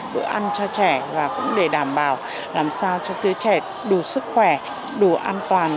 bữa ăn cho trẻ và cũng để đảm bảo làm sao cho đứa trẻ đủ sức khỏe đủ an toàn